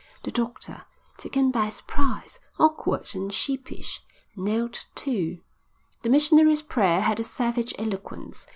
The doctor, taken by surprise, awkward and sheepish, knelt too. The missionary's prayer had a savage eloquence.